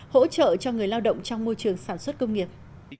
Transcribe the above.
hỗ trợ cho người lao động trong môi trường sản xuất công nghiệp